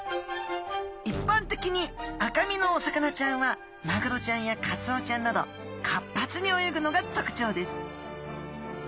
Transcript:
いっぱん的に赤身のお魚ちゃんはマグロちゃんやカツオちゃんなど活発に泳ぐのがとくちょうです